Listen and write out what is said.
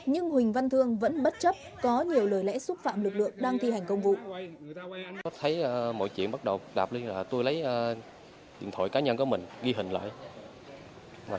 nhưng huỳnh văn thương vẫn bất chấp có nhiều lời lẽ xúc phạm lực lượng đang thi hành công vụ